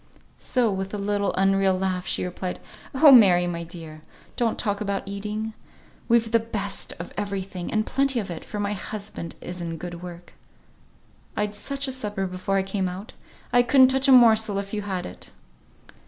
So, with a little unreal laugh, she replied, "Oh! Mary, my dear! don't talk about eating. We've the best of every thing, and plenty of it, for my husband is in good work. I'd such a supper before I came out. I couldn't touch a morsel if you had it."